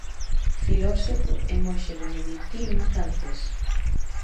Filósofo e monxe beneditino francés.